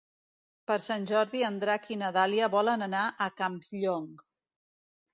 Per Sant Jordi en Drac i na Dàlia volen anar a Campllong.